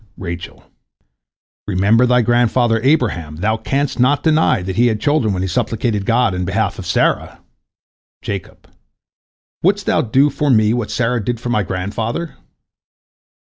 Rachel: "Remember thy grandfather Abraham, thou canst not deny that he had children when he supplicated God in behalf of Sarah!" Jacob: "Wouldst thou do for me what Sarah did for my grandfather?"